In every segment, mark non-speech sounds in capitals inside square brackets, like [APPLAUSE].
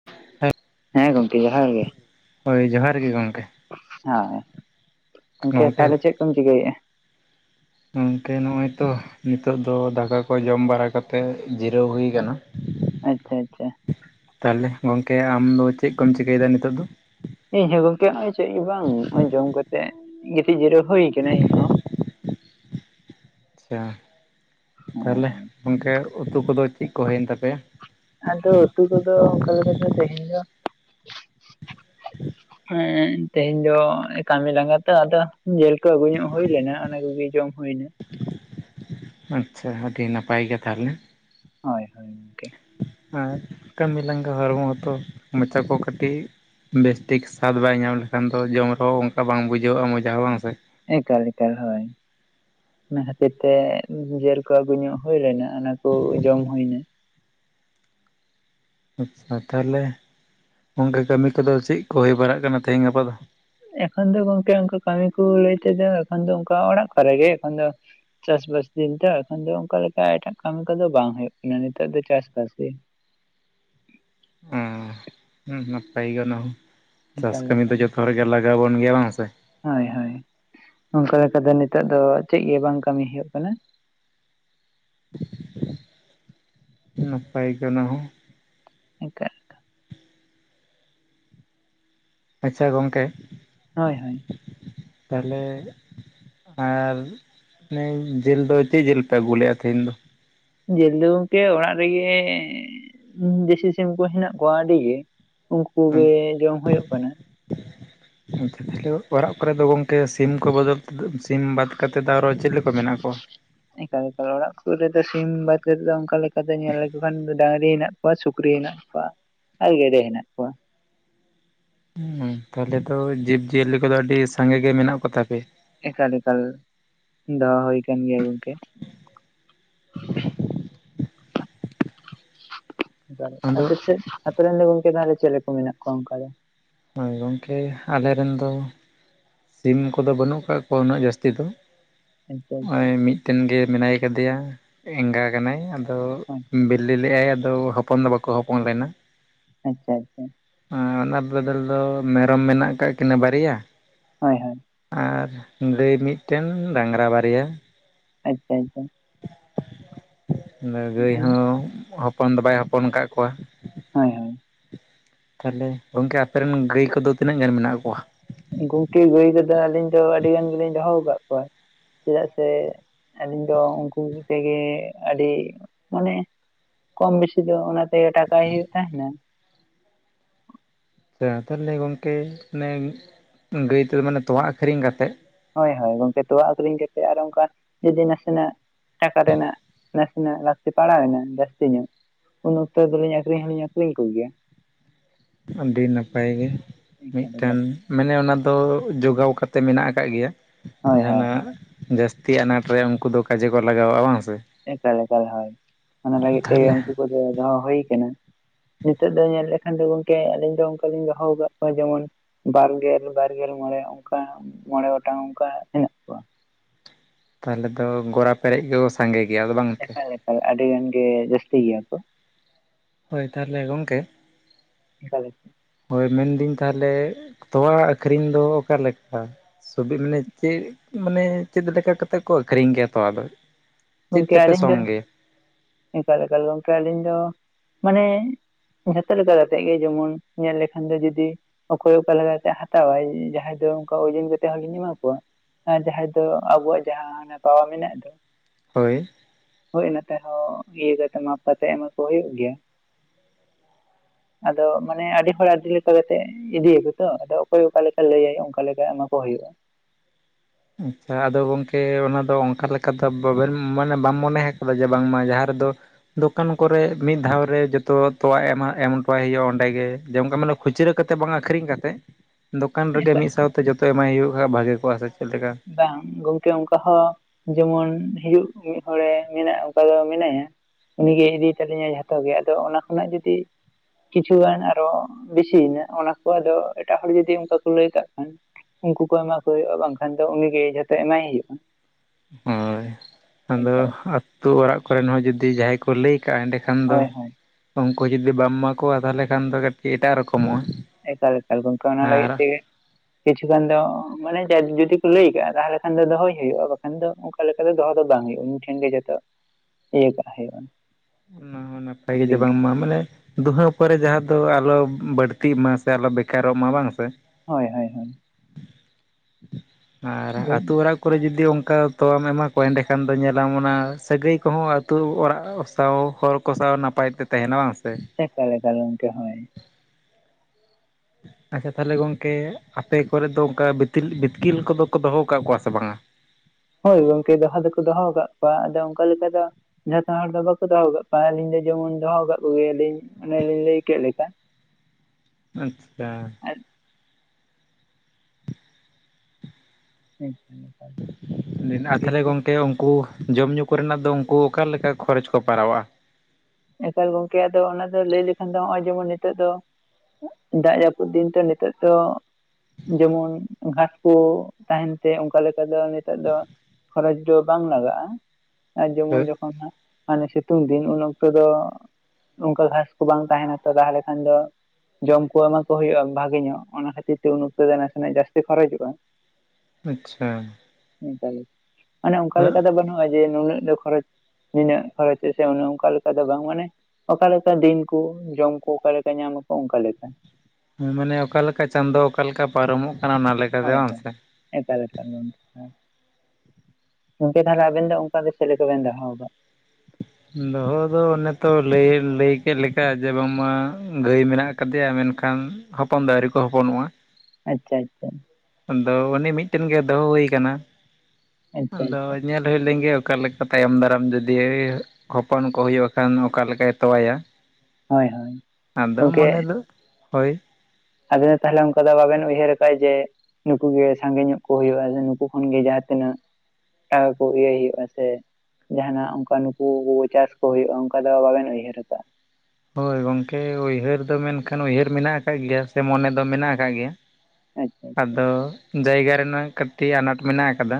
[UNINTELLIGIBLE] ᱦᱮᱸ ᱜᱚᱢᱠᱮ ᱡᱚᱦᱟᱨ ᱜᱮ ᱦᱳᱭ ᱡᱚᱦᱟᱨ ᱜᱮ ᱜᱚᱢᱠᱮ ᱦᱳᱭ ᱜᱚᱢᱠᱮ ᱛᱟᱦᱚᱞᱮ ᱪᱮᱫ ᱠᱚᱢ ᱪᱤᱠᱟᱹᱭᱮᱫᱼᱟ? ᱜᱚᱢᱠᱮ ᱱᱚᱜᱼᱚᱭ ᱛᱚ ᱱᱤᱛᱚᱜ ᱫᱚ ᱫᱟᱠᱟ ᱠᱚ ᱡᱚᱢ ᱵᱟᱲᱟ ᱠᱟᱛᱮ ᱡᱤᱨᱟᱹᱣ ᱦᱩᱭ ᱠᱟᱱᱟ᱾ ᱟᱪᱪᱷᱟ ᱟᱪᱪᱷᱟ ᱛᱟᱦᱚᱞᱮ ᱜᱚᱝᱠᱮ ᱟᱢ ᱫᱚ ᱪᱮᱫ ᱠᱚᱢ ᱪᱤᱠᱟᱹᱭᱮᱫᱟ ᱱᱤᱛᱚᱜ ᱫᱚ? ᱤᱧᱦ ᱜᱚᱝᱠᱮ ᱱᱚᱜᱚᱭ ᱪᱮᱫ ᱵᱟᱝ ᱱᱚᱜ ᱡᱚᱢ ᱠᱟᱛᱮᱜ ᱜᱤᱛᱤᱡ ᱡᱤᱨᱟᱹᱣ ᱦᱩᱭᱩ ᱟᱠᱟᱱᱟ ᱤᱧᱦᱚᱸ [INAUDIBLE] ᱟᱪᱪᱷᱟ ᱛᱟᱦᱚᱞᱮ ᱜᱚᱝᱠᱮ ᱩᱛᱩ ᱠᱚᱫᱚ ᱪᱮᱫ ᱠᱚ ᱦᱩᱭᱮᱱ ᱛᱟᱯᱮᱭᱟ? ᱟᱫᱚ ᱩᱛᱩ ᱠᱚᱫᱚ ᱚᱱᱠᱟ ᱞᱮᱠᱟ ᱫᱚ ᱛᱮᱦᱮᱧ ᱫᱚ ᱦᱮᱸ ᱛᱮᱦᱮᱧ ᱫᱚ ᱠᱟᱹᱢᱤ ᱞᱟᱸᱜᱟ ᱛᱚ ᱟᱫᱚ ᱡᱤᱞ ᱠᱚ ᱟᱹᱜᱩ ᱧᱚᱜ ᱦᱩᱭ ᱞᱮᱱᱟ ᱚᱱᱟ ᱠᱚᱜᱮ ᱡᱚᱢ ᱦᱩᱭᱱᱟ ᱟᱪᱪᱷᱟ ᱟᱹᱰᱤ ᱱᱟᱯᱟᱭ ᱜᱮᱭᱟ ᱛᱟᱦᱚᱞᱮ ᱦᱳᱭ ᱦᱳᱭ ᱜᱚᱝᱠᱮ ᱟᱨ ᱠᱟᱹᱢᱤ ᱞᱟᱸᱜᱟ ᱦᱚᱲᱢᱚ ᱛᱚ ᱢᱚᱪᱟ ᱠᱚ ᱠᱟᱹᱴᱤᱡ ᱵᱮᱥᱴᱷᱤᱠ ᱥᱟᱫ ᱵᱟᱭ ᱧᱟᱢ ᱞᱮᱠᱷᱟᱱ ᱫᱚ ᱡᱚᱢ ᱨᱮᱦᱚᱸ ᱚᱱᱠᱟ ᱵᱟᱝ ᱵᱩᱡᱷᱟᱹ-ᱟ ᱢᱚᱡᱟ ᱦᱚᱸ ᱵᱟᱝ ᱥᱮ ᱮᱠᱟᱞ ᱮᱠᱟᱞ ᱦᱳᱭ ᱚᱱᱟ ᱠᱷᱟᱹᱛᱤᱨ ᱛᱮ ᱡᱞ ᱠᱚ ᱟᱹᱜᱩ ᱧᱚᱜ ᱦᱩᱭ ᱞᱮᱱᱟ᱾ ᱚᱱᱟ ᱠᱚ ᱡᱚᱢ ᱦᱩᱭᱱᱟ ᱟᱪᱪᱷᱟ ᱛᱟᱦᱚᱞᱮ ᱚᱱᱠᱟ ᱠᱟᱹᱢᱤ ᱠᱚᱫᱚ ᱪᱮᱫ ᱠᱚ ᱦᱩᱭ ᱵᱟᱲᱟᱜ ᱠᱟᱱᱟ ᱛᱮᱦᱤᱧ ᱜᱟᱯᱟ ᱫᱚ ᱮᱠᱷᱚᱱ ᱫᱚ ᱜᱚᱝᱠᱮ ᱚᱱ ᱠᱟᱹᱢᱤ ᱠᱚ ᱞᱟᱹᱭ ᱛᱮᱫᱚ ᱮᱠᱷᱚᱱ ᱫᱚ ᱚᱱᱠᱟ ᱚᱲᱟᱜ ᱠᱚᱨᱮ ᱜᱮ ᱮᱠᱷᱚᱱ ᱫᱚ᱾ ᱪᱟᱥᱵᱟᱥ ᱫᱤᱱ ᱛᱚ ᱮᱠᱷᱚᱱ ᱫᱚ ᱚᱱᱠᱟ ᱞᱮᱠᱟ ᱮᱴᱟᱜ ᱠᱟᱹᱢᱤ ᱠᱚᱫᱚ ᱵᱟᱝ ᱦᱩᱭᱩᱜ ᱠᱟᱱᱟ ᱱᱤᱛᱚᱜ ᱫᱚ ᱪᱟᱥᱵᱟᱥ ᱜᱮ᱾ ᱦᱮᱸ ᱱᱟᱯᱟᱭ ᱜᱮ ᱚᱱᱟ ᱦᱚᱸ, ᱪᱟᱥ ᱚᱱᱠᱟ ᱠᱟᱹᱢᱤ ᱫᱚ ᱞᱮᱠᱟ ᱡᱚᱛᱚ ᱦᱚᱲᱜᱮ ᱞᱟᱜᱟᱣ ᱵᱚᱱ ᱜᱮᱭᱟ ᱵᱟᱝ ᱥᱮ ᱦᱳᱭ ᱦᱳᱭ, ᱚᱱᱠᱟ ᱞᱮᱠᱟ ᱫᱚ ᱱᱤᱛᱚᱜ ᱫᱚ ᱪᱮᱫ ᱜᱮ ᱵᱟᱝ ᱠᱟᱹᱢᱤ ᱦᱩᱭᱩᱜ ᱠᱟᱱᱟ ᱾ ᱱᱟᱯᱟᱭ ᱜᱮ ᱚᱱᱟ ᱦᱚᱸ ᱾ [UNINTELLIGIBLE] ᱟᱪᱪᱷᱟ ᱜᱚᱝᱠᱮ ᱦᱳᱭ ᱦᱳᱭ ᱾ ᱛᱟᱦᱚᱞᱮ ᱟᱨ ᱚᱱᱮ ᱡᱤᱞ ᱫᱚ ᱪᱮᱫ ᱡᱤᱞ ᱯᱮ ᱟᱹᱜᱩ ᱞᱮᱜᱼᱟ ᱛᱮᱦᱤᱧ ᱫᱚ? ᱡᱤᱞ ᱮ ᱜᱚᱝᱠᱮ ᱚᱲᱟᱜ ᱨᱮᱜᱮ ᱫᱮᱥᱤ ᱥᱤᱢ ᱠᱚ ᱦᱮᱱᱟᱜ ᱠᱚᱣᱟ ᱟᱹᱰᱤ ᱜᱮ ᱾ ᱩᱱᱠᱩ ᱜᱮ ᱡᱚᱢ ᱦᱩᱭᱩᱜ ᱠᱟᱱᱟ ᱾ ᱚᱲᱟᱜ ᱠᱚᱨᱮ ᱫᱚ ᱜᱚᱝᱠᱮ ᱥᱤᱢ ᱠᱚ ᱵᱚᱫᱚᱞ ᱥᱤᱢ ᱵᱟᱫ ᱠᱟᱛᱮ ᱫᱚ ᱟᱨᱚ ᱪᱤᱞᱤ ᱠᱚ ᱢᱮᱱᱟᱜ ᱠᱚᱣᱟ? ᱮᱠᱟᱞ ᱮᱠᱟᱞ, ᱚᱲᱟᱜ ᱠᱚᱨᱮ ᱫᱚ ᱥᱤᱢ ᱵᱟᱫ ᱠᱟᱛᱮ ᱫᱚ ᱚᱱᱠᱟ ᱞᱮᱠᱟᱛᱮ ᱧᱮᱞ ᱞᱮᱠᱚ ᱠᱷᱟᱱ ᱰᱟᱝᱨᱤ ᱦᱮᱱᱟᱜ ᱠᱚᱣᱟ, ᱥᱩᱠᱨᱤ ᱦᱮᱱᱟᱜ ᱠᱚᱣᱟ ᱯᱟ ᱟᱨ ᱜᱮᱰᱮ ᱦᱮᱱᱟᱜ ᱠᱚᱣᱟ ᱾ ᱦᱩᱸ, ᱛᱟᱦᱚᱞᱮ ᱫᱚ ᱡᱤᱵᱽ ᱡᱤᱭᱟᱹᱞᱤ ᱠᱚᱫᱚ ᱟᱹᱰᱤ ᱥᱟᱸᱜᱮ ᱜᱮ ᱢᱮᱱᱟᱜ ᱠᱚᱛᱟ ᱯᱮᱭᱟ? ᱮᱠᱟᱞ ᱮᱠᱟᱞ, ᱫᱚᱦᱚ ᱦᱩᱭ ᱠᱟᱱ ᱜᱮᱭᱟ ᱜᱚᱝᱠᱮ ᱾ ᱟᱫᱚ ᱟᱯᱮ ᱪᱮᱫ ᱟᱯᱮ ᱨᱮᱱ ᱫᱚ ᱜᱚᱝᱠᱮ ᱛᱟᱦᱚᱞᱮ ᱪᱮᱞᱮ ᱠᱚ ᱢᱮᱱᱟᱜ ᱠᱚᱣᱟ ᱚᱱᱠᱟ ᱫᱚ? ᱦᱚᱭ ᱜᱚᱢᱠᱮ, ᱟᱞᱮ ᱨᱮᱱ ᱫᱚ ᱥᱤᱢ ᱠᱚᱫᱚ ᱵᱟᱹᱱᱩᱜ ᱟᱠᱟᱫ ᱠᱚᱣᱟ ᱩᱱᱟᱹᱜ ᱡᱟᱹᱥᱛᱤ ᱫᱚ, ᱟᱪᱪᱷᱟ ᱟᱪᱪᱷᱟ ᱱᱚᱜᱼᱚᱭ ᱢᱤᱫ ᱢᱤᱫᱴᱮᱱ ᱜᱮ ᱢᱮᱱᱟᱭ ᱠᱟᱫᱮᱭᱟ, ᱮᱸᱜᱟ ᱠᱟᱱᱟᱭ ᱾ ᱟᱫᱚ ᱦᱳᱭ ᱵᱤᱞᱤ ᱞᱮᱫ ᱟᱭ ᱟᱫᱚ ᱦᱚᱯᱚᱱ ᱫᱚ ᱵᱟᱠᱚ ᱠᱚ ᱦᱚᱯᱚᱱ ᱞᱮᱱᱟ ᱾ ᱟᱪᱪᱷᱟ ᱟᱪᱪᱷᱟ ᱾ ᱚᱱᱟ ᱵᱚᱫᱚᱞ ᱫᱚ ᱢᱮᱨᱚᱢ ᱢᱮᱱᱟᱜ ᱟᱠᱟᱫ ᱠᱤᱱᱟᱹ ᱵᱟᱨᱭᱟ, ᱦᱳᱭ ᱦᱳᱭ ᱾ ᱟᱨ ᱜᱟᱹᱭ ᱢᱤᱫᱴᱮᱱ ᱰᱟᱝᱨᱟ ᱵᱟᱨᱭᱟ ᱾ ᱟᱪᱪᱷᱟ ᱟᱪᱪᱷᱟ ᱾ ᱟᱫᱚ ᱜᱟᱹᱭ ᱦᱚᱸ ᱦᱚᱯᱚᱱ ᱫᱚ ᱵᱟᱭ ᱦᱚᱯᱚᱱ ᱟᱠᱟᱜ ᱠᱚᱣᱟ ᱾ ᱦᱳᱭ ᱦᱳᱭ ᱾ ᱛᱟᱦᱚᱞᱮ ᱜᱚᱝᱠᱮ, ᱟᱯᱮ ᱨᱮᱱ ᱜᱟᱹᱭ ᱠᱚᱫᱚ ᱛᱤᱱᱟᱹᱜ ᱜᱟᱱ ᱢᱮᱱᱟᱜ ᱠᱚᱣᱟ? ᱜᱚᱝᱠᱮ ᱜᱟᱹᱭ ᱠᱚᱫᱚ ᱟᱹᱞᱤᱧ ᱫᱚ ᱟᱹᱰᱤ ᱜᱟᱱ ᱜᱮᱞᱤᱧ ᱫᱚᱦᱚ ᱟᱠᱟᱫ ᱠᱚᱣᱟ ᱾ ᱪᱮᱫᱟᱜ ᱥᱮ, ᱟᱹᱞᱤᱧ ᱫᱚ ᱩᱱᱠᱩ ᱛᱮᱜᱮ ᱟᱹᱰᱤ ᱢᱟᱱᱮ ᱠᱚᱢ ᱵᱮᱥᱤ ᱫᱚ ᱚᱱᱟ ᱛᱮᱜᱮ ᱴᱟᱠᱟᱭ ᱦᱩᱭᱩᱜ ᱛᱟᱦᱮᱱᱟ ᱾ ᱟᱪᱪᱷᱟ ᱛᱟᱦᱚᱞᱮ ᱜᱚᱝᱠᱮ, ᱚᱱᱮ ᱜᱟᱹᱭ ᱛᱚ ᱢᱟᱱᱮ ᱛᱚᱣᱟ ᱟᱹᱠᱷᱨᱤᱧ ᱠᱟᱛᱮ, ᱦᱳᱭ ᱦᱳᱭ ᱜᱚᱝᱠᱮ, ᱛᱚᱣᱟ ᱟᱹᱠᱷᱨᱤᱧ ᱠᱟᱛᱮ ᱟᱨᱚ ᱚᱱᱠᱟ ᱡᱩᱫᱤ ᱱᱟᱥᱮ ᱱᱟᱜ ᱴᱟᱠᱟ ᱨᱮᱱᱟᱜ ᱱᱟᱥᱮ ᱱᱟᱜ ᱞᱟᱹᱠᱛᱤ ᱯᱟᱲᱟᱣᱮᱱᱟ ᱡᱟᱹᱥᱛᱤ ᱧᱚᱜ, ᱩᱱ ᱚᱠᱛᱚ ᱫᱚᱞᱤᱧ ᱟᱹᱠᱷᱨᱤᱧ ᱦᱚᱸᱞᱤᱧ ᱟᱹᱠᱷᱨᱤᱧ ᱠᱚᱜᱮᱭᱟ ᱾ ᱟᱹᱰᱤ ᱱᱟᱯᱟᱭ ᱜᱮ ᱚᱱᱠᱟ ᱞᱮᱠᱟ ᱢᱤᱫᱴᱮᱱ ᱫᱚ ᱢᱟᱱᱮ ᱚᱱᱟ ᱫᱚ ᱡᱚᱜᱟᱣ ᱠᱟᱛᱮ ᱢᱮᱱᱟᱜ ᱟᱠᱟᱫ ᱜᱮᱭᱟ, ᱦᱳᱭ ᱦᱳᱭ ᱡᱟᱦᱟᱸᱱᱟᱜ ᱡᱟᱹᱥᱛᱤ ᱟᱱᱟᱴ ᱨᱮ ᱩᱱᱠᱩ ᱫᱚ ᱠᱟᱡᱮ ᱠᱚ ᱞᱟᱜᱟᱣᱟ ᱵᱟᱝ ᱥᱮ? ᱮᱠᱟᱞ, ᱮᱠᱟᱞ, ᱦᱚᱭ ᱾ ᱚᱱᱟ ᱞᱟᱹᱜᱤᱫ ᱛᱮᱜᱮ ᱛᱟᱦᱚᱞᱮ ᱩᱱᱠᱩ ᱠᱚᱫᱚ ᱫᱚᱦᱚ ᱦᱩᱭ ᱠᱟᱱᱟ ᱾ ᱱᱤᱛᱚᱜ ᱫᱚ ᱧᱮᱞ ᱞᱮᱠᱷᱟᱱ ᱫᱚ ᱜᱚᱝᱠᱮ, ᱟᱹᱞᱤᱧ ᱫᱚ ᱚᱱᱠᱟ ᱞᱤᱧ ᱫᱚᱦᱚ ᱟᱠᱟᱫ ᱠᱚᱣᱟ, ᱡᱮᱢᱚᱱ ᱵᱟᱨᱜᱮᱞ ᱵᱟᱨᱜᱮᱞ ᱢᱚᱬᱮᱸ ᱚᱱᱠᱟ ᱢᱚᱬᱮᱸ ᱜᱚᱴᱟᱝ ᱚᱱᱠᱟ ᱦᱮᱱᱟᱜ ᱠᱚᱣᱟ ᱾ ᱛᱟᱦᱚᱞᱮ ᱫᱚ ᱜᱚᱲᱟ ᱯᱮᱨᱮᱡ ᱜᱮ ᱥᱟᱸᱜᱮ ᱜᱮᱭᱟ ᱟᱫᱚ ᱵᱟᱝ ᱛᱮ ᱾ ᱟᱨ ᱟᱹᱰᱤ ᱜᱟᱱ ᱜᱮ ᱡᱟᱹᱥᱛᱤ ᱜᱮᱭᱟᱠᱚ ᱾ ᱦᱳᱭ, ᱛᱟᱦᱚᱞᱮ ᱜᱚᱝᱠᱮ ᱮᱠᱟᱞ ᱜᱮ ᱾ ᱦᱳᱭ, ᱢᱮᱱᱫᱟᱹᱧ ᱛᱟᱦᱚᱞᱮ ᱛᱚᱣᱟ ᱟᱹᱠᱷᱨᱤᱧ ᱫᱚ ᱚᱠᱟ ᱞᱮᱠᱟ? ᱥᱚᱵᱤᱨᱞᱮ ᱢᱟᱱᱮ ᱪᱮᱫ ᱢᱟᱱᱮ ᱪᱮᱫ ᱞᱮᱠᱟ ᱠᱟᱛᱮ ᱠᱚ ᱟᱹᱠᱷᱨᱤᱧ ᱜᱮᱭᱟ ᱛᱚᱣᱟ ᱫᱚ? ᱪᱮᱫ ᱜᱚᱝᱠᱮ ᱛᱮᱯᱮ ᱟᱹᱞᱤᱧ ᱫᱚ ᱥᱚᱝ ᱜᱮᱭᱟ? ᱮᱠᱟᱞ ᱮᱠᱟᱞ ᱜᱚᱝᱠᱮ ᱟᱹᱞᱤᱧ ᱫᱚ ᱢᱟᱱᱮ ᱡᱷᱚᱛᱚ ᱞᱮᱠᱟ ᱠᱟᱛᱮ ᱜᱮ, ᱡᱮᱢᱚᱱ ᱧᱮᱞ ᱞᱮᱠᱷᱟᱱ ᱫᱚ ᱡᱩᱫᱤ ᱚᱠᱚᱭ ᱚᱠᱟ ᱞᱮᱠᱟᱛᱮ ᱦᱟᱛᱟᱣ ᱟᱭ᱾ ᱡᱟᱦᱟᱸᱭ ᱫᱚ ᱚᱱᱠᱟ ᱳᱡᱚᱱ ᱠᱟᱛᱮ ᱦᱚᱸᱞᱤᱧ ᱮᱢᱟ ᱠᱚᱣᱟ ᱾ ᱦᱮᱸ ᱡᱟᱦᱟᱸᱭ ᱫᱚ ᱟᱵᱚᱣᱟᱜ ᱡᱟᱦᱟᱸ ᱦᱟᱱᱟ ᱯᱟᱣᱟ ᱢᱮᱱᱟᱜ ᱫᱚ ᱦᱳᱭ ᱦᱳᱭ ᱚᱱᱟᱛᱮᱦᱚᱸ ᱤᱭᱟᱹ ᱠᱟᱛᱮ ᱢᱟᱯ ᱠᱟᱛᱮ ᱮᱢᱟ ᱠᱚ ᱦᱩᱭᱩᱜ ᱜᱮᱭᱟ᱾ ᱟᱫᱚ ᱢᱟᱱᱮ ᱟᱹᱰᱤ ᱦᱚᱲ ᱟᱹᱰᱤ ᱞᱮᱠᱟ ᱠᱟᱛᱮᱜ ᱤᱫᱤᱭᱟᱠᱚᱛᱚ ᱟᱫᱚ ᱚᱠᱚᱭ ᱚᱠᱟᱞᱮᱠᱟ ᱞᱟᱹᱭᱟᱭ ᱚᱱᱠᱟ ᱞᱮᱠᱟ ᱮᱢᱟ ᱠᱚ ᱦᱩᱭᱩᱜᱼᱟ᱾ ᱟᱪᱪᱷᱟ ᱟᱫᱚ ᱜᱚᱝᱠᱮ ᱚᱱᱟᱫᱚ ᱚᱱᱠᱟ ᱞᱮᱠᱟ ᱫᱚ ᱵᱟᱵᱮᱱ ᱢᱟᱱᱮ ᱵᱟᱢ ᱢᱚᱱᱮ ᱟᱠᱟᱫᱟ ᱡᱮ ᱵᱟᱝᱢᱟ ᱡᱟᱦᱟᱸ ᱨᱮᱫᱚ ᱫᱚᱠᱟᱱ ᱠᱚᱨᱮ ᱢᱤᱫ ᱫᱷᱟᱣ ᱨᱮ ᱡᱚᱛᱚ ᱛᱚᱣᱟ ᱮᱢᱟ ᱮᱢ ᱦᱚᱴᱚᱟᱭ ᱦᱩᱭᱩᱜᱼᱟ ᱚᱸᱰᱮᱜᱮ ᱡᱮᱢᱚᱱᱠᱟ ᱢᱟᱱᱮ ᱠᱷᱩᱪᱨᱟᱹ ᱠᱟᱛᱮ ᱵᱟᱝ ᱟᱹᱠᱷᱨᱤᱧ ᱠᱟᱛᱮ, ᱫᱚᱠᱟᱱ ᱨᱮᱜᱮ ᱦᱮᱸᱥᱮ ᱢᱤᱫ ᱥᱟᱶᱛᱮ ᱡᱚᱛᱚ ᱮᱢᱟᱭ ᱦᱩᱭᱩᱜ ᱠᱷᱟ ᱵᱷᱟᱜᱮ ᱠᱚᱜᱼᱟ ᱥᱮ ᱪᱮᱫ ᱞᱮᱠᱟ? ᱵᱟᱝ, ᱜᱚᱝᱠᱮ ᱚᱱᱠᱟ ᱦᱚᱸ ᱡᱮᱢᱚᱱ ᱦᱤᱡᱩᱜ ᱢᱤᱫ ᱦᱚᱲᱮ ᱢᱮᱱᱟᱜᱼᱟ ᱚᱱᱠᱟ ᱫᱚ ᱢᱮᱱᱟᱭᱟ᱾ ᱩᱱᱤᱜᱮᱭ ᱤᱫᱤ ᱛᱟᱞᱤᱧᱟ ᱡᱷᱚᱛᱚ ᱜᱮ ᱟᱫᱚ ᱚᱱᱟ ᱠᱷᱚᱱᱟᱜ ᱡᱩᱫᱤ ᱠᱤᱪᱷᱩᱜᱟᱱ ᱟᱨᱚ ᱵᱮᱥᱤᱭᱮᱱᱟ ᱚᱱᱟ ᱠᱚ ᱟᱫᱚ ᱮᱴᱟᱜ ᱦᱚᱲ ᱡᱩᱫᱤ ᱚᱱᱠᱟ ᱠᱚ ᱞᱟᱹᱭ ᱠᱟᱜ ᱠᱷᱟᱱ ᱩᱱᱠᱩ ᱠᱚ ᱮᱢᱟ ᱠᱚ ᱦᱩᱭᱩᱜᱼᱟ, ᱵᱟᱝᱠᱷᱟᱱ ᱫᱚ ᱩᱱᱤᱜᱮ ᱡᱚᱛᱚ ᱮᱢᱟᱭ ᱦᱩᱭᱩᱜᱼᱟ᱾ ᱦᱳᱭ ᱟᱫᱚ ᱮᱠᱟᱞ ᱟᱹᱛᱩ ᱚᱲᱟᱜ ᱠᱚᱨᱮᱱ ᱦᱚᱸ ᱡᱩᱫᱤ ᱡᱟᱦᱟᱸᱭ ᱠᱚ ᱞᱟᱹᱭ ᱠᱟᱜᱼᱟ ᱮᱸᱰᱮᱠᱷᱟᱱ ᱫᱚ ᱦᱳᱭ ᱦᱳᱭ ᱩᱱᱠᱩ ᱡᱩᱫᱤ ᱵᱟᱢ ᱮᱢᱟ ᱠᱚᱣᱟ ᱛᱟᱦᱚᱞᱮ ᱠᱷᱟᱱ ᱫᱚ ᱠᱟᱹᱴᱤᱡ ᱮᱴᱟᱜ ᱨᱚᱠᱚᱢᱚᱜᱼᱟ᱾ ᱮᱠᱟᱞ ᱮᱠᱟᱞ ᱜᱚᱢᱠᱮ ᱚᱱᱟ ᱟᱨ ᱞᱟᱹᱜᱤᱫ ᱛᱮ ᱠᱤᱪᱷᱩ ᱜᱟᱱ ᱫᱚ ᱢᱟᱱᱮ ᱡᱩᱫᱤ ᱠᱚ ᱞᱟᱹᱭ ᱠᱟᱜᱼᱟ ᱛᱟᱦᱚᱞᱮ ᱠᱷᱟᱱ ᱫᱚ ᱫᱚᱦᱚᱭ ᱦᱩᱭᱩᱜᱼᱟ ᱵᱟᱠᱷᱟᱱ ᱫᱚ ᱚᱠᱟ ᱞᱮᱠᱟ ᱫᱚ ᱫᱚᱦᱚ ᱫᱚ ᱵᱟᱝ ᱦᱩᱭᱩᱜᱼᱟ, ᱩᱱᱤ ᱴᱷᱮᱱ ᱜᱮ ᱡᱚᱛᱚ ᱤᱭᱟᱹ ᱠᱟᱜ ᱦᱩᱭᱩᱜᱼᱟ᱾ ᱚᱱᱟ ᱦᱚᱸ ᱱᱟᱯᱟᱭ ᱜᱮ ᱡᱮ ᱟᱹᱠᱷᱨᱤᱧ ᱠᱟᱜ ᱵᱟᱝᱢᱟ ᱦᱩᱭᱩᱜᱼᱟ ᱵᱚᱞᱮ, ᱫᱷᱩᱦᱟᱹ ᱯᱚᱨᱮ ᱡᱟᱦᱟᱸ ᱫᱚ ᱟᱞᱚ ᱵᱟᱹᱲᱛᱤᱜ ᱢᱟ ᱥᱮ ᱟᱞᱚ ᱵᱮᱠᱟᱨᱚᱜ ᱢᱟ ᱵᱟᱝᱥᱮ, ! ᱦᱳᱸᱭ ᱦᱳᱸᱭ ᱦᱳᱸᱭ ᱾ ᱟᱨ ᱦᱳᱭ ᱟᱹᱛᱩ ᱚᱲᱟᱜᱽ, ᱠᱚᱨᱮ ᱡᱩᱫᱤ ᱚᱱᱠᱟ ᱛᱳᱣᱟᱢ ᱮᱢᱟ ᱠᱚᱣᱟ, ᱮᱸᱰᱮᱠᱷᱟᱱ ᱫᱚ ᱧᱮᱞᱟᱢ ᱚᱱᱟ ᱥᱟᱹᱜᱟᱹᱭ ᱠᱚᱦᱚᱸ ᱟᱹᱛᱩ ᱚᱲᱟᱜ ᱚᱦ, ᱛᱟᱶ ᱦᱚᱲ ᱠᱚ ᱥᱟᱶ ᱱᱟᱯᱟᱭ ᱛᱮ ᱛᱟᱦᱮᱱᱟ ᱵᱟᱝ ᱥᱮ? ᱮᱠᱟᱞ ᱮᱠᱟᱞ ᱜᱚᱢᱠᱮ ᱦᱚᱭ, ᱟᱪᱪᱷᱟ ᱛᱟᱦᱚᱞᱮ ᱜᱚᱝᱠᱮ ᱟᱯᱮ ᱠᱚᱨᱮᱫ ᱫᱚ ᱚᱱᱠᱟ ᱵᱤᱛᱤᱞ, ᱵᱤᱛᱠᱤᱞ ᱠᱚᱫᱚ ᱠᱚ ᱫᱚᱦᱚ ᱠᱟᱠᱚᱣᱟ ᱥᱮ ᱵᱟᱝᱟ? ᱦᱳᱭ ᱜᱚᱝᱠᱮ ᱫᱚᱦᱚ ᱫᱚᱠᱚ ᱫᱚᱦᱚ ᱟᱠᱟᱫ ᱠᱚᱣᱟ ᱟᱫᱚ ᱚᱱᱠᱟ ᱞᱮᱠᱟ ᱫᱚ ᱡᱷᱚᱛᱚ ᱦᱚᱲ ᱫᱚ ᱵᱟᱠᱚ ᱫᱚᱦᱚ ᱠᱟᱫ ᱠᱚᱣᱟ ᱾ ᱟᱹᱞᱤᱧ ᱫᱚ ᱡᱮᱢᱚᱱ ᱫᱚᱦᱚ ᱟᱠᱟᱫ ᱠᱚᱜᱮᱭᱟᱞᱤᱧ ᱚᱱᱮᱞᱤᱧ ᱞᱟᱹᱭ ᱠᱮᱫ ᱞᱮᱠᱟ ᱾ ᱟᱪᱪᱷᱟ [INAUDIBLE] ᱟᱨ ᱦᱮᱸ [INAUDIBLE] ᱛᱟᱦᱚᱞᱮ ᱜᱚᱝᱠᱮ ᱩᱱᱠᱩ ᱡᱚᱢ ᱧᱩ, [INAUDIBLE] ᱠᱚᱨᱮᱱᱟᱜ ᱫᱚ ᱩᱱᱠᱩ ᱚᱠᱟᱞᱮᱠᱟ ᱠᱷᱚᱨᱚᱪ ᱠᱚ ᱯᱟᱲᱟᱣᱟᱜ ᱼᱟ ᱾ ᱮᱠᱟᱞ ᱜᱚᱝᱠᱮ ᱟᱫᱚ ᱚᱱᱟ ᱫᱚ ᱞᱟᱹᱭ ᱞᱮᱠᱷᱟᱱ ᱫᱚ ᱱᱚᱜᱼᱚᱭ ᱡᱮᱢᱚᱱ ᱱᱤᱛᱚᱜ ᱫᱚ ᱫᱟᱜ ᱡᱟᱹᱯᱩᱫ ᱫᱤᱱ ᱛᱚ ᱱᱤᱛᱚᱜ ᱫᱚ- ᱡᱮᱢᱚᱱ ᱜᱷᱟᱸᱥᱠᱩ ᱛᱟᱦᱮᱱ ᱛᱮ ᱚᱱ- ᱯᱟᱞᱮᱠᱟ ᱫᱚ ᱱᱤᱛᱚᱜ ᱫᱚ ᱠᱷᱚᱨᱚᱪ ᱫᱚ ᱵᱟᱝ ᱞᱟᱜᱟᱜᱼᱟ ᱟᱨ ᱡᱮᱢᱚᱱ ᱡᱚᱠᱷᱚᱱ ᱦᱟᱸᱜ, ᱦᱟᱱᱮ ᱥᱤᱛᱩᱝ ᱫᱤᱱ ᱩᱱ ᱚᱠᱛᱚ ᱫᱚ ᱚᱱᱠᱟ ᱜᱷᱟᱥ ᱠᱚ ᱵᱟᱝ ᱛᱟᱦᱮᱱᱟ ᱛᱚ ᱛᱟᱦᱚᱞᱮ ᱠᱷᱟᱱ ᱫᱚ, ᱡᱚᱢ ᱠᱚ ᱮᱢᱟ ᱠᱚ ᱦᱩᱭᱩᱜᱼᱟ ᱵᱷᱟᱜᱮ ᱧᱚᱜ ᱚᱱᱟ ᱠᱷᱟᱹᱛᱤᱨ ᱛᱮ ᱩᱱ ᱚᱠᱛᱚ ᱫᱚ ᱱᱟᱥᱮᱱᱟᱜ ᱡᱟᱹᱥᱛᱤ ᱠᱷᱚᱨᱚᱪᱚᱜᱼᱟ᱾ ᱟᱪᱪᱷᱟ᱾ ᱦᱮᱸ ᱛᱟᱦᱚᱞᱮ, ᱢᱟᱱᱮ ᱚᱱᱠᱟ ᱞᱮᱠᱟ ᱫᱚ ᱵᱟᱹᱱᱩᱜᱼᱟ ᱡᱮ ᱱᱩᱱᱟᱹᱜ ᱫᱚ ᱠᱷᱚᱨᱚᱪ ᱱᱤᱱᱟᱹᱜ ᱠᱷᱚᱨᱚᱪ ᱥᱮ ᱚᱱᱮ ᱚᱱᱠᱟ ᱞᱮᱠᱟ ᱫᱚ ᱵᱟᱝ, ᱢᱟᱱᱮ? ᱚᱠᱟ ᱞᱮᱠᱟ ᱫᱤᱱ ᱠᱚ ᱡᱚᱢ ᱠᱚ ᱚᱠᱟ ᱞᱮᱠᱟ ᱧᱟᱢᱟᱠᱚ ᱚᱱᱠᱟ ᱞᱮᱠᱟ᱾ ᱦᱩᱸ ᱢᱟᱱᱮ ᱚᱠᱟ ᱞᱮᱠᱟ ᱪᱟᱸᱫᱳ ᱚᱠᱟ ᱞᱮᱠᱟ ᱯᱟᱨᱚᱢᱚᱜ ᱠᱟᱱᱟ ᱚᱱᱟᱞᱮᱠ ᱦᱳᱭ ᱦᱳᱭ᱾ ᱮᱠᱟᱞ ᱮᱠᱟᱞ ᱜᱚᱢᱠᱮ ᱛᱟᱦᱞᱮ ᱟᱵᱮᱱ ᱫᱚ ᱚᱱᱠᱟ ᱫᱚ ᱪᱮᱞᱮ ᱠᱚᱵᱮᱱ ᱫᱚᱦᱚ ᱟᱠᱟᱫ- [INAUDIBLE] ᱫᱚᱦᱚ ᱫᱚ ᱱᱮᱛᱚᱜ ᱞᱟᱹᱭ ᱞᱟᱹᱭ ᱠᱮᱫ ᱞᱮᱠᱟ ᱡᱮ ᱵᱟᱝᱢᱟ ᱜᱟᱹᱭ ᱢᱮᱱᱟᱜ ᱟᱠᱟᱫᱮᱭᱟ ᱢᱮᱱᱠᱷᱟᱱ ᱦᱚᱯᱚᱱ ᱫᱚ ᱟᱹᱣᱨᱤ ᱠᱚ ᱦᱚᱯᱚᱱᱚᱜᱼᱟ᱾ ᱟᱪᱪᱷᱟ ᱟᱪᱪᱷᱟ᱾ ᱟᱫᱚ ᱩᱱᱤ ᱢᱤᱫᱴᱮᱱ ᱜᱮ ᱫᱚᱦᱚ ᱦᱩᱭ ᱠᱟᱱᱟ, ᱟᱪᱪᱷᱟ ᱟᱫᱚ ᱟᱪᱪᱷᱟ ᱧᱮᱞ ᱦᱩᱭ ᱞᱮᱱᱜᱮ ᱚᱠᱟ ᱞᱮᱠᱟ ᱛᱟᱭᱚᱢ ᱫᱟᱨᱟᱢ ᱡᱩᱫᱤ ᱦᱩᱭᱩᱜ ᱾ ᱦᱚᱯᱚᱱ ᱠᱚ ᱦᱩᱭᱩᱜ ᱠᱷᱟᱱ ᱚᱠᱟ ᱞᱮᱠᱟᱭ ᱛᱳᱣᱟᱭᱟ ᱾ ᱦᱳᱭ ᱦᱳᱭ ᱟᱫᱚ ᱜᱚᱝᱠᱮ ᱢᱚᱱᱮ ᱫᱚ ᱦᱳᱭ ᱾ ᱟᱵᱮᱱ ᱫᱚ ᱛᱟᱦᱚᱞᱮ ᱚᱱᱠᱟ ᱫᱚ ᱵᱟᱵᱮᱱ ᱩᱭᱦᱟᱹᱨ ᱟᱠᱟᱫᱼᱟ ᱡᱮ, ᱱᱩᱠᱩᱜᱮ ᱥᱟᱸᱜᱮ ᱧᱚᱜ ᱠᱚ ᱦᱩᱭᱩᱜᱼᱟ, ᱥᱮ ᱱᱩᱠᱩ ᱠᱷᱚᱱᱜᱮ ᱡᱟᱦᱟᱸᱛᱤᱱᱟᱹᱜ ᱟᱨ ᱠᱚ ᱤᱭᱟᱹᱭ ᱦᱩᱭᱩᱜᱼᱟ ᱥᱮ᱾ ᱡᱟᱦᱱᱟᱜ ᱚᱱᱠᱟ ᱱᱩᱠᱩ ᱪᱟᱥ ᱠᱚ ᱦᱩᱭᱩᱜᱼᱟ, ᱚᱱᱠᱟ ᱫᱚ ᱵᱟᱵᱮᱱ ᱩᱭᱦᱟᱹᱨ ᱟᱠᱟᱜᱼᱟ ᱾ ᱦᱳᱭ ᱜᱚᱝᱠᱮ, ᱩᱭᱦᱟᱹᱨ ᱫᱚ ᱢᱮᱱᱠᱷᱟᱱ ᱩᱭᱦᱟᱹᱨ ᱢᱮᱱᱟᱜ ᱟᱠᱟᱫ ᱜᱮᱭᱟ ᱥᱮ ᱢᱚᱱᱮ ᱫᱚ ᱢᱮᱱᱟᱜ ᱟᱠᱟᱫ ᱜᱮᱭᱟ ᱾ ᱟᱪᱪᱷᱟ ᱟᱪᱪᱷᱟ ᱟᱫᱚ, ᱡᱟᱭᱜᱟ ᱨᱮᱱᱟᱜ ᱠᱟᱹᱴᱤᱡ ᱟᱱᱟᱴ ᱢᱮᱱᱟᱜ ᱟᱠᱟᱫᱟ,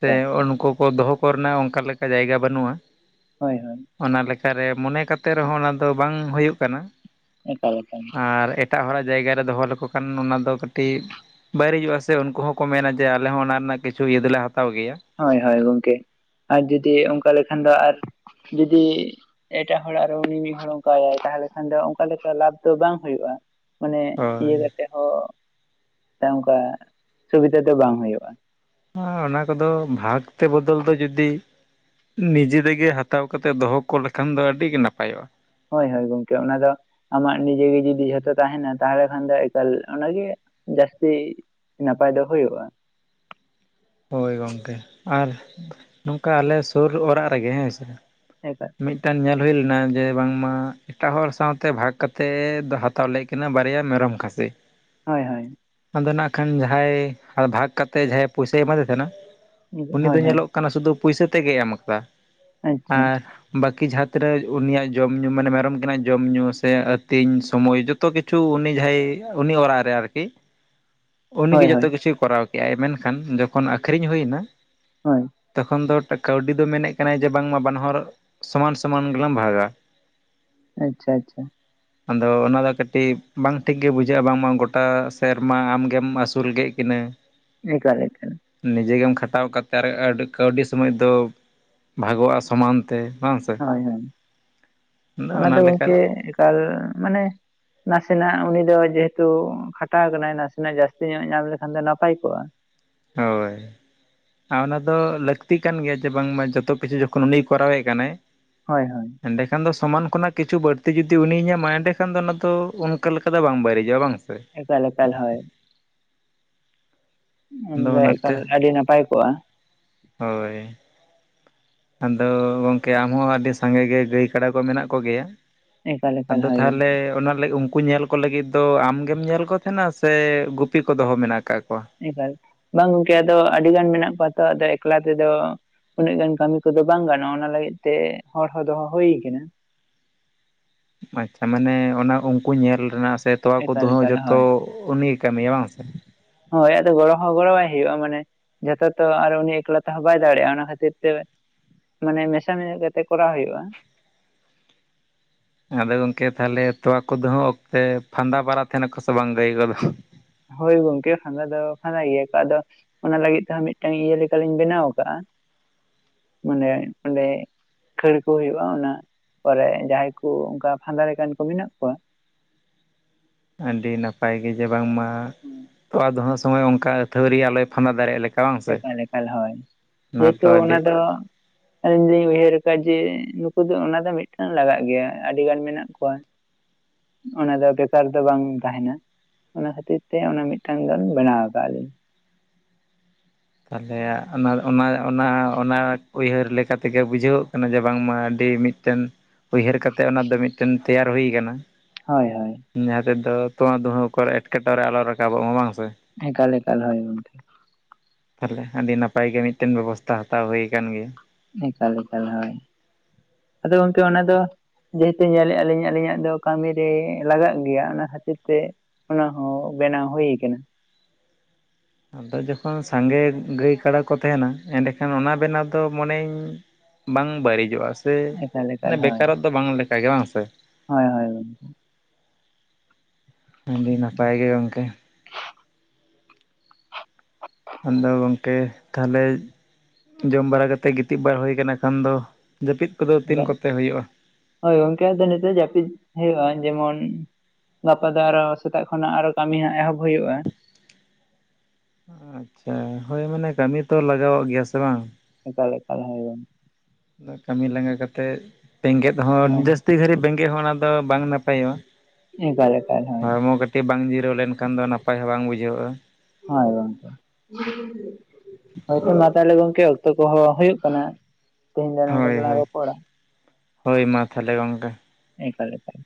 ᱛᱮ ᱦᱩᱱᱠᱩ ᱠᱚ ᱫᱚᱦᱚ ᱠᱚ ᱨᱮᱱᱟᱜ ᱚᱱᱠᱟ ᱞᱮᱠᱟ ᱡᱟᱭᱜᱟ ᱵᱟᱹᱱᱩᱜᱼᱟ ᱾ ᱦᱳᱭ ᱦᱳᱭ ᱾ ᱚᱱᱟ ᱞᱮᱠᱟᱨᱮ ᱢᱚᱱᱮ ᱠᱟᱛᱮ ᱨᱮᱦᱚᱸ ᱚᱱᱟ ᱫᱚ ᱵᱟᱝ ᱦᱩᱭᱩᱜ ᱠᱟᱱᱟ ᱮᱠᱟᱞ ᱮᱠᱟᱞ ᱾ ᱟᱨ ᱮᱠ ᱮᱴᱟᱜ ᱦᱚᱲᱟᱜ ᱡᱟᱭᱜᱟ ᱨᱮ ᱫᱚᱦᱚ ᱞᱮᱠᱚ ᱠᱷᱟᱱ, ᱚᱱᱟ ᱫᱚ ᱠᱟᱹᱴᱤᱡ, ᱵᱟᱭᱨᱤᱡᱚᱜᱼᱟ ᱥᱮ ᱩᱱᱠᱩ ᱦᱚᱸᱠᱚ ᱢᱮᱱᱟ, ᱡᱮ ᱟᱞᱮ ᱦᱚᱸ, ᱚᱱᱟ ᱨᱮᱱᱟᱜ ᱠᱤᱪᱷᱩ ᱤᱭᱟᱹ ᱫᱚᱞᱮ ᱦᱟᱛᱟᱣ ᱜᱮᱭᱟ ᱾ ᱦᱳᱭ ᱦᱳᱭ ᱜᱚᱝᱠᱮ ᱟᱨ ᱡᱩᱫᱤ ᱚᱱᱠᱟ ᱞᱮᱠᱷᱟᱱ ᱫᱚ ᱟᱨ ᱡᱩᱫᱤ? ᱮᱴᱟᱜ ᱦᱚᱲᱟᱜ ᱟᱨ ᱩᱱᱤ ᱢᱤᱫ ᱦᱚᱲ ᱚᱱᱠᱟᱭ ᱛᱟᱦᱮ ᱞᱮᱠᱷᱟᱱ ᱫᱚ ᱚᱱᱠᱟ ᱞᱮᱠᱟ ᱞᱟᱵᱷ ᱫᱚ ᱵᱟᱝ ᱦᱩᱭᱩᱜᱼᱟ ᱾ ᱚᱱᱮ ᱤᱭᱟᱹ ᱦᱳᱭ ᱠᱟᱛᱮ ᱦᱚᱸ ᱚᱱᱠᱟ ᱥᱩᱵᱤᱫᱟ ᱫᱚ ᱵᱟᱝ ᱦᱩᱭᱩᱜᱼᱟ ᱾ ᱦᱚᱸ ᱚᱱᱟ ᱠᱚᱫᱚ ᱵᱷᱟᱜᱽ ᱛᱮ ᱵᱚᱫᱚᱞ ᱫᱚ ᱡᱩᱫᱤ ᱱᱤᱡᱮ ᱛᱮᱜᱮ ᱦᱟᱛᱟᱣ ᱠᱟᱛᱮ ᱫᱚᱦᱚ ᱠᱚ ᱞᱮᱠᱷᱟᱱ ᱫᱚ ᱟᱹᱰᱤ ᱜᱮ ᱱᱟᱯᱟᱭᱚᱜᱼᱟ ᱾ ᱦᱳᱭ ᱦᱳᱭ ᱜᱚᱝᱠᱮ ᱚᱱᱟ ᱫᱚ ᱟᱢᱟᱜ ᱱᱤᱡᱮ ᱜᱮ ᱡᱩᱫᱤ ᱡᱷᱚᱛᱚ ᱛᱟᱦᱮᱱᱟ ᱛᱟᱦᱚᱞᱮ ᱠᱷᱟᱱ ᱫᱚ ᱮᱠᱟᱞ ᱚᱱᱟᱜᱮ ᱡᱟᱹᱥᱛᱤ ᱱᱟᱯᱟᱭ ᱫᱚ ᱦᱳᱭᱩᱜᱼᱟ ᱦᱳᱭ ᱜᱚᱝᱠᱮ ᱟᱨ ᱱᱚᱝᱠᱟ ᱟᱞᱮ ᱥᱩᱨ ᱚᱲᱟᱜ ᱨᱮᱜᱮ ᱦᱮᱸᱥᱮ [INAUDIBLE] ᱢᱤᱫᱴᱟᱝ ᱧᱮᱞ ᱦᱩᱭ ᱞᱮᱱᱟ ᱡᱮ ᱵᱟᱝᱢᱟ ᱮᱴᱟᱜ ᱦᱚᱲ ᱥᱟᱶᱛᱮ ᱵᱷᱟᱜᱽ ᱠᱟᱛᱮᱫ ᱫᱟᱦᱟ ᱛᱟᱣᱞᱮᱜᱠᱤᱱᱟᱹᱭ ᱵᱟᱨᱭᱟ ᱢᱮᱨᱚᱢ ᱠᱷᱟᱥᱤ ᱦᱳᱭ ᱦᱳᱭ ᱟᱫᱚ ᱱᱟᱜ ᱠᱷᱟᱱ ᱡᱟᱦᱟᱸᱭ ᱵᱷᱟᱜᱽ ᱠᱟᱛᱮᱫ ᱡᱟᱦᱟᱸᱭ ᱯᱚᱭᱥᱟᱭ ᱮᱢᱟᱫᱮ ᱛᱟᱦᱮᱱᱟ ᱩᱱᱤ ᱫᱚ ᱦᱳᱭ ᱦᱳᱭ ᱧᱮᱞᱚᱜ ᱠᱟᱱᱟ ᱥᱩᱫᱩ ᱯᱩᱭᱥᱟᱹ ᱛᱮᱜᱜᱮᱭ ᱮᱢ ᱠᱟᱫᱟ ᱟᱪᱪᱷᱟ ᱟᱨ ᱵᱟᱹᱠᱤ ᱡᱟᱦᱟᱸ ᱛᱤᱱᱟᱹᱜ ᱩᱱᱤᱭᱟᱜ ᱡᱚᱢ ᱧᱩ ᱢᱟᱱᱮ ᱢᱮᱨᱚᱢᱠᱤᱱᱟᱜ ᱡᱚᱢ ᱧᱩ ᱥᱮ ᱟᱹᱛᱤᱧ ᱥᱚᱢᱚᱭ ᱡᱚᱛ ᱡᱚᱛᱚ ᱠᱤᱪᱷᱩ ᱩᱱᱤ ᱡᱟᱦᱟᱸᱭ ᱩᱱᱤ ᱚᱲᱟᱜ ᱨᱮ ᱟᱨᱠᱤ ᱩᱱᱤᱜᱮ ᱦᱳᱭ ᱡᱚᱛᱚ ᱦᱳᱭ ᱠᱤᱪᱷᱩᱭ ᱠᱚᱨᱟᱣ ᱠᱮᱜᱼᱟᱭ ᱢᱮᱱᱠᱷᱟᱱ ᱡᱚᱠᱷᱚᱱ ᱟᱠᱷᱨᱤᱧ ᱦᱩᱭᱱᱟ ᱦᱳᱭ ᱛᱚᱠᱷᱚᱱ ᱫᱚ ᱠᱟᱹᱣᱰᱤ ᱫᱚ ᱢᱮᱱᱮᱫ ᱠᱟᱱᱟᱭ ᱡᱮ ᱵᱟᱝᱢᱟ ᱵᱟᱱᱟ ᱦᱚᱲ ᱥᱚᱢᱟᱱ ᱥᱚᱢᱟᱱ ᱜᱮᱞᱟᱝ ᱵᱷᱟᱜᱟ ᱾ ᱟᱪᱪᱷᱟ ᱟᱪᱪᱷᱟ ᱟᱫᱚ ᱚᱱᱟ ᱫᱚ ᱠᱟᱹᱴᱤᱡ ᱵᱟᱝ ᱴᱷᱤᱠ ᱜᱮ ᱵᱩᱡᱷᱟᱹᱜᱼᱟ ᱵᱟᱝᱢᱟ ᱜᱚᱴᱟ ᱥᱮᱨᱢᱟ ᱟᱢᱜᱮᱢ ᱟᱹᱥᱩᱞ ᱠᱮᱫ ᱠᱤᱱᱟᱹ ᱮᱸ ᱠᱟᱨᱮᱴ ᱠᱟᱨᱮᱴ ᱱᱤᱡᱮ ᱜᱮᱢ ᱠᱷᱟᱴᱟᱣ ᱠᱟᱛᱮᱫ ᱟᱨ ᱠᱟᱹᱣᱰᱤ ᱥᱚᱢᱚᱭ ᱫᱚ ᱵᱷᱟᱜᱚᱜᱼᱟ ᱥᱚᱢᱟᱱ ᱛᱮ ᱵᱟᱝ ᱥᱮ ᱦᱳᱭ ᱦᱳᱭ ᱚᱱᱟ ᱫᱚ ᱜᱚᱝᱠᱮ ᱮᱠᱟᱞ ᱢᱟᱱᱮ ᱱᱟᱥᱮᱱᱟᱜ ᱩᱱᱤ ᱫᱚ ᱡᱮᱦᱩᱛᱩ ᱠᱷᱟᱴᱟᱣ ᱟᱠᱟᱱᱟᱭ ᱱᱟᱥᱮᱱᱟᱜ ᱡᱟᱹᱥᱛᱤ ᱧᱚᱜ ᱧᱟᱢ ᱞᱮᱠᱷᱟᱱ ᱫᱚ ᱱᱟᱯᱟᱭ ᱠᱚᱜᱼᱟ ᱦᱳᱭ ᱚᱱᱟ ᱫᱚ ᱞᱟᱹᱠᱛᱤ ᱠᱟᱱ ᱜᱮᱭᱟ ᱡᱮ ᱵᱟᱝᱢᱟ ᱡᱚᱛᱚ ᱠᱤᱪᱷᱩ ᱡᱚᱠᱷᱚᱱ ᱩᱱᱤᱭ ᱠᱚᱨᱟᱣᱮᱫ ᱠᱟᱱᱟᱭ ᱦᱳᱭ ᱦᱳᱭ ᱮᱸᱰᱮᱠᱷᱟᱱ ᱫᱚ ᱥᱚᱢᱟᱱ ᱠᱷᱚᱱᱟᱜ ᱠᱤᱪᱷᱩ ᱵᱟᱹᱲᱛᱤ ᱡᱩᱫᱤ ᱩᱱᱤᱭ ᱧᱟᱢᱟ ᱮᱸᱰᱮᱠᱷᱟᱱ ᱫᱚ ᱚᱱᱟ ᱫᱚ ᱚᱱᱠᱟ ᱞᱮᱠᱟ ᱫᱚ ᱵᱟᱝ ᱵᱟᱨᱤᱡᱚᱜᱼᱟ ᱵᱟᱝ ᱥᱮ ᱮᱠᱟᱞ ᱮᱠᱟᱞ ᱦᱳᱭ ᱟᱫᱚ ᱚᱱᱟᱫᱚ ᱚᱱᱟᱛᱮ ᱮᱠᱟᱞ ᱟᱹᱰᱤ ᱱᱟᱯᱟᱭ ᱠᱚᱜᱼᱟ ᱦᱳᱭ ᱟᱫᱚ ᱜᱚᱝᱠᱮ ᱟᱢᱦᱚᱸ ᱟᱹᱰᱤ ᱥᱟᱸᱜᱮ ᱜᱮ ᱜᱟᱹᱭ ᱠᱟᱰᱟ ᱠᱚ ᱢᱮᱱᱟᱜ ᱠᱚᱜᱮᱭᱟ? ᱮᱠᱟᱞ ᱮᱠᱟᱞ ᱟᱫᱚ ᱦᱳᱭ ᱛᱟᱦᱚᱞᱮ ᱚᱱᱟ ᱞᱟᱹᱜᱤᱫ ᱩᱱᱠᱩ ᱧᱮᱞ ᱠᱚ ᱩᱱ ᱠᱚ ᱞᱟᱹᱜᱤᱫ ᱫᱚ ᱟᱢᱜᱮᱢ ᱧᱮᱞ ᱠᱚ ᱛᱟᱦᱮᱱᱟ ᱥᱮ ᱜᱩᱯᱤ ᱠᱚ ᱫᱚᱦᱚ ᱢᱮᱱᱟᱜ ᱟᱠᱟᱫ ᱠᱚᱣᱟ? ᱮᱵᱟᱨ ᱵᱟᱝ ᱜᱚᱝᱠᱮ ᱟᱫᱚ ᱟᱹᱰᱤ ᱜᱟᱱ ᱢᱮᱱᱟᱜ ᱠᱚᱣᱟ ᱛᱚ ᱟᱫᱚ ᱮᱠᱞᱟ ᱛᱮᱫᱚ ᱩᱱᱟᱹᱜ ᱜᱟᱱ ᱠᱟᱹᱢᱤ ᱠᱚᱫᱚ ᱵᱟᱝ ᱜᱟᱱᱚᱜᱼᱟ ᱚᱱᱟ ᱞᱟᱹᱜᱤᱫ ᱛᱮ ᱦᱚᱲ ᱦᱚᱸ ᱫᱚᱦᱚ ᱦᱩᱭ ᱠᱟᱱᱟ ᱾ ᱟᱪᱪᱷᱟ ᱢᱟᱱᱮ ᱚᱱᱟ ᱩᱱᱠᱩ ᱧᱮᱞ ᱨᱮᱱᱟᱜ ᱥᱮ ᱛᱚᱣᱟ ᱠᱚ ᱮᱠᱟᱞ ᱫᱩᱦᱟᱹ ᱮᱠᱟᱞ ᱡᱚᱛᱚ ᱦᱳᱭ ᱩᱱᱤᱜᱮ ᱠᱟᱹᱢᱤᱭᱟ ᱵᱟᱝ ᱥᱮ ᱦᱳᱭ ᱜᱚᱲᱚ ᱜᱚᱲᱦᱚᱟᱭ ᱦᱩᱭᱩᱜᱼᱟ ᱢᱟᱱᱮ ᱡᱷᱚᱛᱚ ᱛᱚ ᱟᱨ ᱩᱱᱤ ᱮᱠᱞᱟ ᱛᱮᱦᱚᱸ ᱵᱟᱭ ᱫᱟᱲᱮᱭᱟᱜᱼᱟ ᱚᱱᱟ ᱠᱷᱟᱹᱛᱤᱨ ᱛᱮ ᱢᱟᱱᱮ ᱢᱮᱥᱟ ᱢᱮ ᱠᱟᱛᱮ ᱠᱚᱨᱟᱣ ᱦᱩᱭᱩᱜᱼᱟ ᱟᱫᱚ ᱜᱚᱝᱠᱮ ᱛᱟᱦᱚᱞᱮ ᱛᱚᱣᱟ ᱫᱩᱦᱟᱹᱣ ᱥᱮ ᱯᱷᱟᱫᱟ ᱵᱟᱲᱟ ᱛᱟᱦᱮᱱᱟᱠᱚ ᱥᱮ ᱵᱟᱝ ᱜᱟᱹᱭ ᱠᱚᱫᱚ? ᱦᱳᱭ ᱜᱚᱢᱠᱮ ᱯᱷᱟᱫᱟ ᱫᱚ ᱯᱷᱟᱫᱟ ᱜᱮᱭᱟ ᱠᱚ ᱟᱫᱚ ᱚᱱᱟ ᱞᱟᱹᱜᱤᱫ ᱛᱮᱦᱚᱸ ᱢᱤᱫᱴᱟᱝ ᱤᱭᱟᱹ ᱞᱮᱠᱟᱞᱤᱧ ᱵᱮᱱᱟᱣ ᱟᱠᱟᱟᱜᱼᱟ ᱢᱟᱱᱮ ᱚᱸᱰᱮ ᱠᱷᱟᱹᱲ ᱠᱚ ᱦᱩᱭᱩᱜᱼᱟ ᱚᱱᱟ ᱯᱚᱨᱮ ᱡᱟᱦᱟᱸᱟᱭ ᱠᱚ ᱚᱱᱠᱟ ᱯᱷᱟᱫᱟ ᱞᱮᱠᱟᱱ ᱠᱚ ᱢᱮᱱᱟᱜ ᱠᱚᱣᱟ ᱟᱹᱰᱤ ᱱᱟᱯᱟᱭ ᱜᱮ ᱡᱮ ᱵᱟᱝᱢᱟ ᱛᱚᱣᱟ ᱫᱚ ᱦᱟᱸᱜ ᱥᱚᱢᱚᱭ ᱚᱱᱠᱟ ᱟᱹᱛᱷᱣᱟᱹᱨᱤ ᱟᱞᱚᱭ ᱯᱷᱟᱸᱫᱟ ᱫᱟᱲᱮᱭᱟᱜ ᱞᱮᱠᱟ ᱵᱟᱝ ᱥᱮ? ᱮᱠᱟᱞ ᱮᱠᱟᱞ ᱦᱳᱭ ᱛᱚ ᱡᱮᱦᱮᱛᱩ ᱟᱹᱰᱤ ᱚᱱᱟ ᱫᱚ ᱟᱹᱞᱤᱧ ᱫᱚ ᱞᱤᱧ ᱩᱭᱦᱟᱹᱨ ᱟᱠᱟᱫᱟ ᱡᱮ ᱱᱩᱠᱩ ᱫᱚ ᱚᱱᱟ ᱫᱚ ᱢᱤᱫᱴᱟᱝ ᱞᱟᱜᱟᱜ ᱜᱮᱭᱟ ᱟᱹᱰᱤ ᱜᱟᱱ ᱢᱮᱱᱟᱜ ᱠᱚᱣᱟ ᱚᱱᱟ ᱫᱚ ᱵᱮᱠᱟᱨ ᱫᱚ ᱵᱟᱝ ᱛᱟᱦᱮᱱᱟ ᱾ ᱚᱱᱟ ᱠᱷᱟᱹᱛᱤᱨ ᱛᱮ ᱚᱱᱟ ᱢᱤᱫᱴᱟᱝ ᱫᱚ ᱵᱮᱱᱟᱣ ᱟᱠᱟᱫᱟ ᱞᱤᱧ ᱛᱟᱦᱚᱞᱮ ᱚᱱᱟ ᱚᱱᱟ ᱚᱱᱟ ᱚᱱᱟ ᱩᱭᱦᱟᱹᱨ ᱞᱮᱠᱟ ᱞᱮᱠᱟᱛᱮᱜᱮ ᱵᱩᱡᱷᱟᱹᱣ ᱠᱟᱱᱟ ᱡᱮ ᱵᱟᱝᱢᱟ ᱟᱹᱰᱤ ᱢᱤᱫ ᱢᱤᱫᱴᱮᱱ ᱩᱭᱦᱟᱹᱨ ᱠᱟᱛᱮᱫ ᱚᱱᱟ ᱫᱚ ᱢᱤᱫᱴᱮᱱ ᱛᱮᱭᱟᱨ ᱦᱩᱭ ᱟᱠᱟᱱᱟ ᱾ ᱦᱳᱭ ᱦᱳᱭ ᱡᱟᱦᱟᱸ ᱛᱮᱫᱚ ᱛᱳᱣᱟ ᱫᱩᱦᱟᱹ ᱠᱚᱨᱮ ᱮᱴᱠᱮᱴᱚᱬᱮ ᱟᱞᱚ ᱨᱟᱠᱟᱵᱚᱜ ᱢᱟ ᱵᱟᱝ ᱥᱮ ᱮᱠᱟᱞ ᱮᱠᱟᱞ ᱦᱚ ᱦᱳᱭ ᱚᱱᱠᱟ ᱜᱮ ᱛᱟᱦᱚᱞᱮ ᱟᱹᱰᱤ ᱱᱟᱯᱟᱭ ᱜᱮ ᱢᱤᱫᱴᱮᱱ ᱵᱮᱵᱚᱥᱛᱟ ᱦᱟᱛᱟᱣ ᱦᱩᱭ ᱟᱠᱟᱱ ᱜᱮᱭᱟ ᱾ ᱮᱠᱟᱞ ᱮᱠᱟᱞ ᱦᱳᱭ ᱟᱫᱚ ᱜᱚᱢᱠᱮ ᱚᱱᱟ ᱫᱚ ᱡᱮᱦᱮᱛᱩ ᱧᱮᱞᱮᱜᱼᱟ ᱞᱤᱧ ᱟᱹᱞᱤᱧᱟᱜ ᱫᱚ ᱠᱟᱹᱢᱤᱨᱮ ᱞᱟᱜᱟᱜ ᱜᱮᱭᱟ ᱚᱱᱟ ᱠᱷᱟᱹᱛᱤᱨ ᱛᱮ ᱚᱱᱟ ᱦᱚᱸ ᱵᱮᱱᱟᱣ ᱦᱩᱭ ᱟᱠᱟᱱᱟ ᱾ ᱟᱫᱚ ᱡᱚᱠᱷᱚᱱ ᱥᱟᱸᱜᱮ ᱜᱟᱹᱭ ᱠᱟᱰᱟ ᱠᱚ ᱛᱟᱦᱮᱱᱟ ᱮᱸᱰᱮᱠᱷᱟᱱ ᱚᱱᱟ ᱵᱮᱱᱟᱣ ᱫᱚ ᱢᱚᱱᱮᱭᱟᱹᱧ ᱵᱟᱝ ᱵᱟᱹᱲᱤᱡᱚᱜᱼᱟ ᱥᱮ ᱮᱠᱟᱞ ᱮᱠᱟᱞ ᱦᱳᱭ ᱵᱮᱠᱟᱨᱚᱜ ᱫᱚ ᱵᱟᱝ ᱞᱮᱠᱟ ᱜᱮ ᱵᱟᱝ ᱥᱮ ᱦᱳᱭ ᱦᱳᱭ ᱜᱚᱝᱠᱮ ᱟᱹᱰᱤ ᱱᱟᱯᱟᱭ ᱜᱮ ᱜᱚᱝᱠᱮ ᱟᱫᱚ ᱜᱚᱝᱠᱮ ᱛᱟᱦᱚᱞᱮ ᱡᱚᱢ ᱵᱟᱲᱟ ᱠᱟᱛᱮᱫ ᱜᱤᱛᱤᱡ ᱵᱟᱲᱟ ᱦᱩᱭᱩ ᱟᱠᱟᱱᱟ ᱠᱷᱟᱱ ᱫᱚ ᱡᱟᱹᱯᱤᱫ ᱠᱚᱫᱚ ᱛᱤᱱ ᱮᱠᱟᱞ ᱠᱚᱛᱮ ᱦᱩᱭᱩᱜᱼᱟ? ᱦᱳᱭ ᱜᱚᱝᱠᱮ ᱱᱤᱛᱚᱜ ᱡᱟᱹᱯᱤᱫ ᱦᱩᱭᱩᱜᱼᱟ ᱡᱮᱢᱚᱱ ᱜᱟᱯᱟ ᱫᱚ ᱟᱨᱚ ᱥᱮᱛᱟᱜ ᱠᱷᱚᱱᱟᱜ ᱟᱨᱚ ᱠᱟᱹᱢᱤ ᱦᱟᱸᱜ ᱮᱦᱚᱵ ᱦᱩᱭᱩᱜᱼᱟ ᱟᱪᱪᱷᱟ ᱦᱳᱭ ᱢᱟᱱᱮ ᱠᱟᱹᱢᱤ ᱛᱚ ᱞᱟᱜᱟᱣᱟᱜ ᱜᱮᱭᱟ ᱥᱮ ᱵᱟᱝ ᱮᱠᱟᱞᱮᱠᱟᱞ ᱦᱳᱭ ᱜ ᱠᱟᱹᱢᱤ ᱞᱟᱸᱜᱟ ᱠᱟᱛᱮᱫ ᱵᱮᱸᱜᱮᱫ ᱦᱚᱸ ᱦᱳᱭ ᱡᱟᱹᱥᱛᱤ ᱜᱷᱟᱹᱲᱤᱡ ᱵᱮᱸᱜᱮᱫ ᱦᱚᱸ ᱚᱱᱟ ᱫᱚ ᱵᱟᱝ ᱱᱟᱯᱟᱭᱚᱜᱼᱟ ᱮᱠᱟᱞ ᱮᱠᱟᱞ ᱦᱚᱭ ᱛᱮ ᱵᱟᱝ ᱡᱤᱨᱟᱹᱣ ᱞᱮᱱᱠᱷᱟᱱ ᱫᱚ ᱱᱟᱯᱟᱭ ᱦᱚᱸ ᱵᱟᱝ ᱵᱩᱡᱷᱟᱹᱜᱼᱟ ᱦᱚᱭ ᱜᱚᱢᱠᱮ ᱦᱳᱭᱛᱳ ᱢᱟ ᱛᱟᱦᱚᱞᱮ ᱜᱚᱢᱠᱮ ᱚᱠᱛᱚ ᱠᱚᱦᱚᱸ ᱦᱩᱭᱩᱜ ᱠᱟᱱᱟ ᱾ ᱛᱤᱦᱤᱱᱫᱚ ᱱᱚᱝᱠᱟ ᱦᱳᱭ ᱜᱮ ᱞᱟᱝ ᱦᱳᱭ ᱨᱚᱯᱚᱲᱟ ᱦᱳᱭ ᱢᱟ ᱛᱟᱦᱚᱞᱮ ᱜᱚᱝᱠᱮ ᱮᱠᱟᱞ ᱮᱠᱟᱞ